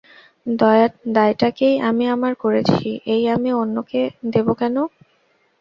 দায়টাকেই আমি আমার করেছি, এই আমি অন্যকে দেব কেন?